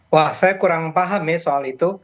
wah saya kurang paham ya soal itu